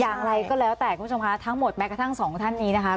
อย่างไรก็แล้วแต่คุณผู้ชมคะทั้งหมดแม้กระทั่งสองท่านนี้นะคะ